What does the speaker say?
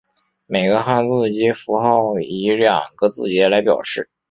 每个汉字及符号以两个字节来表示。